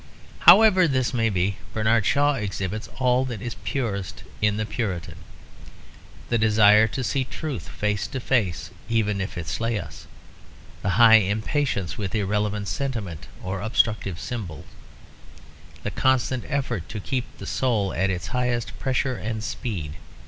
However this may be, Bernard Shaw exhibits all that is purest in the Puritan; the desire to see truth face to face even if it slay us, the high impatience with irrelevant sentiment or obstructive symbol; the constant effort to keep the soul at its highest pressure and speed.